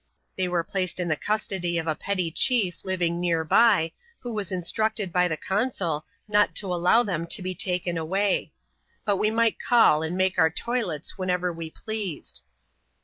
They were placed in the custody of a petty chief living near by, who was instructed by the consul not to allow them to be taken away ; but we might call and make our toilets whenever we pleased.